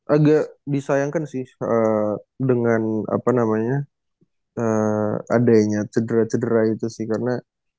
agak disayangkan sih dengan apa namanya adanya cedera cedera itu sih karena